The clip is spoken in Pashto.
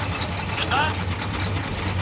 په ساینسي برخه کي ګډه څېړنه ګټوره ده.